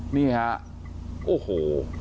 นี่ฮะโอ้โห